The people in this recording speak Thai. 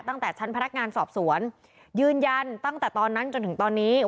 ตั้งแต่ชั้นพนักงานสอบสวนยืนยันตั้งแต่ตอนนั้นจนถึงตอนนี้